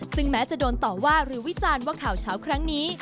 ซึ่งแม้จะโดนต่อว่าหรือวิจารณ์ว่าข่าวเช้าครั้งนี้